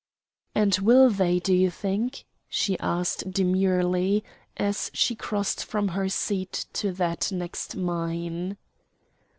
"And will they, do you think?" she asked demurely as she crossed from her seat to that next mine.